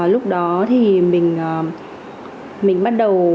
lúc đó thì mình bắt đầu